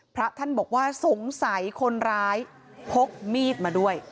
พระท่านบอกว่าสงสัยคนร้ายพกมีดมาด้วย